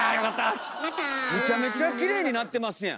めちゃめちゃきれいに鳴ってますやん。